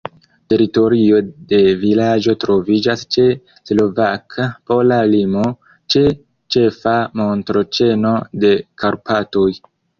Teritorio de vilaĝo troviĝas ĉe slovak-pola limo, ĉe ĉefa montoĉeno de Karpatoj.